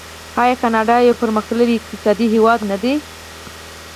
آیا کاناډا یو پرمختللی اقتصادي هیواد نه دی؟